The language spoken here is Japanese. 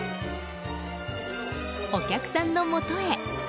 お客さんのもとへ。